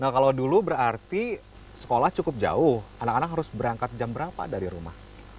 kalau dulu berarti sekolah cukup jauh anak anak harus berangkat jam berapa dari rumah